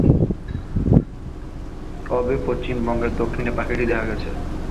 তবে পশ্চিমবঙ্গের দক্ষিণে পাখিটি দেখা গেছে।